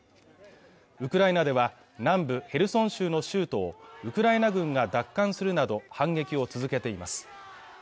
ウクライナでは南部ヘルソン州の州都をウクライナ軍が奪還するなど反撃を続けています